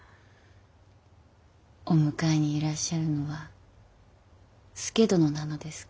お迎えにいらっしゃるのは佐殿なのですか。